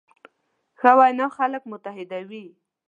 ښه وینا خلک متحدوي.